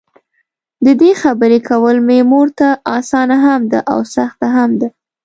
ددې خبري کول مې مورته؛ اسانه هم ده او سخته هم ده.